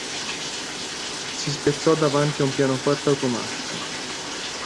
Si spezzò davanti a un pianoforte automatico.